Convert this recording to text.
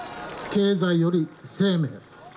経済より生命。